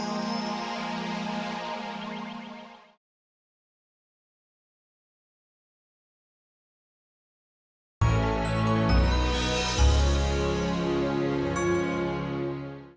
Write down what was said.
bukan kang idoi